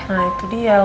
nah itu dia el